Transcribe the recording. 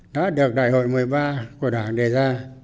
đã được đại hội một mươi ba của đảng đề ra